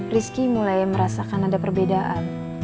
rizky mulai merasakan ada perbedaan